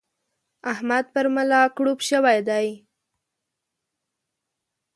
احمد پر ملا کړوپ شوی دی.